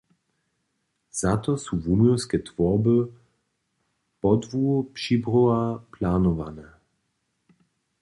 Za to su wuměłske twórby podłu přibrjoha planowane.